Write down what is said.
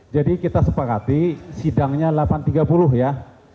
jadi kita sepakati sidangnya delapan tiga puluh ya